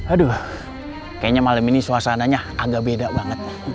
aduh kayaknya malam ini suasananya agak beda banget